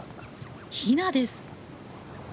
ヒナです。